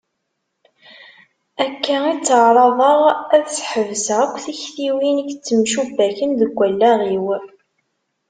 Akka i tteɛraḍeɣ ad sḥebseɣ akk tiktiwin i yettemcubbaken deg wallaɣ-iw.